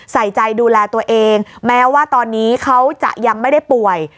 ใส่ใจดูแลตัวเองแม้ว่าตอนนี้เขาจะยังไม่ได้ป่วย